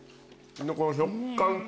この食感と。